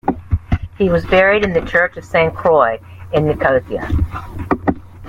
He was buried in the Church of Saint Croix in Nicosia.